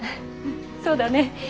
そうだね。